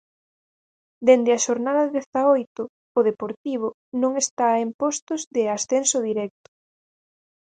Dende a xornada dezaoito o Deportivo non está en postos de ascenso directo.